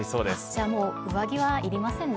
じゃあ、もう、上着はいりませんね。